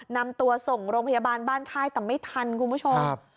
นำตัวส่งโรงพยาบาลบ้านค่ายแต่ไม่ทันคุณผู้ชม